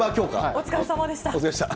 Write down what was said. お疲れさまでした。